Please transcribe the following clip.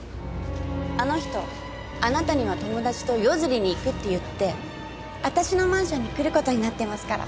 あの人あなたには友達と夜釣りに行くって言って私のマンションに来る事になってますから。